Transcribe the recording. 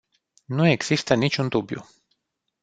Nu există niciun dubiu.